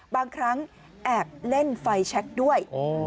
บางครั้งแอบเล่นไฟแชคด้วย